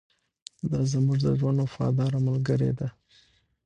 دا زموږ د ژوند وفاداره ملګرې ده.